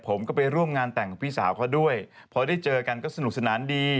ผมก็ไปร่วมงานแต่งของพี่สาวเขาด้วยพอได้เจอกันก็สนุกสนานดี